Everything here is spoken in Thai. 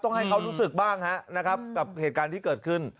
ให้เขารู้สึกบ้างนะครับกับเหตุการณ์ที่เกิดขึ้น